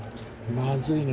まずいね。